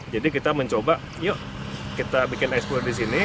jadi kita mencoba yuk kita bikin ekspor di sini